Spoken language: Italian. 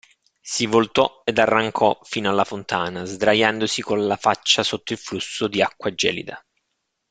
Si voltò ed arrancò fino alla fontana, sdraiandosi con la faccia sotto il flusso di acqua gelida.